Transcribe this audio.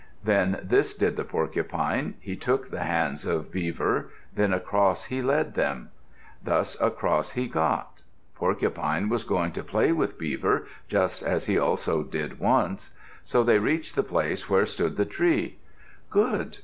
Then this did the Porcupine: he took the hands of Beaver, then across he led him. Thus across he got. Porcupine was going to play with Beaver, just as he also did once. So they reached the place where stood the tree. "Good!